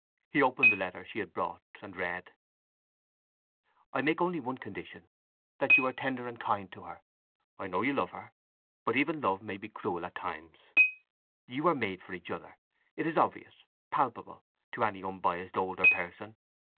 He opened the letter she had brought, and read: "I make only one condition—that you are tender and kind to her. I know you love her. But even love may be cruel at times. You are made for each other: it is obvious, palpable, to any unbiased older person.